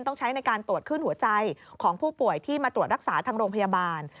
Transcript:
ต้องใช้ในการตรวจขึ้นหัวใจของผู้ป่วยที่มาตรวจรักษาทางโรงพยาบาล